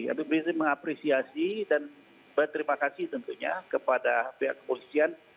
habib rizik mengapresiasi dan berterima kasih tentunya kepada pihak kepolisian